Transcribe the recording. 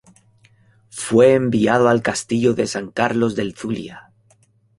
Fue enviado al Castillo de San Carlos del Zulia.